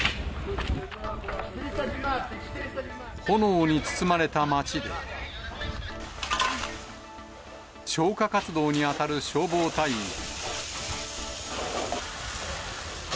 炎に包まれた街で、消火活動に当たる消防隊員。